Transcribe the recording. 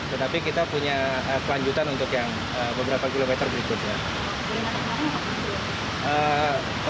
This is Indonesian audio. tetapi kita punya kelanjutan untuk yang berbeza